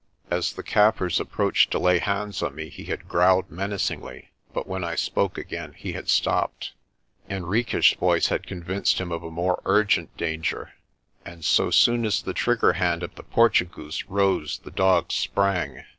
As the Kaffirs ap proached to lay hands on me he had growled menacingly but when I spoke again he had stopped. Henriques' voice had convinced him of a more urgent danger, and so soon as the trigger hand of the Portugoose rose the dog sprang.